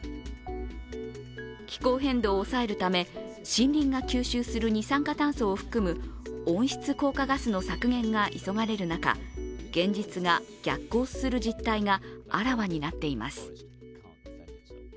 気候変動を抑えるため森林が吸収する二酸化炭素を含む温室効果ガスの削減が急がれる中現実が逆行する実態があらわになっています。